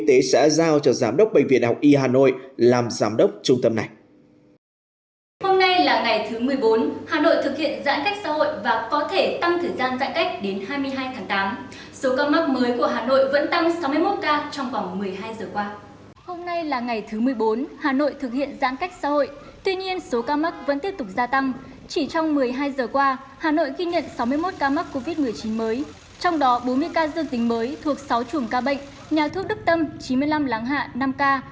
trong đó bốn mươi ca dương tính mới thuộc sáu chủng ca bệnh nhà thuốc đức tâm chín mươi năm láng hạ năm ca